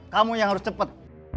kamu yang harus cepat